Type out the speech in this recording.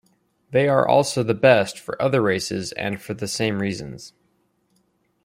They are also the best for other races and for the same reasons.